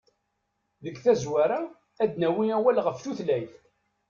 Deg tazwara, ad d-nawi awal ɣef tutlayt.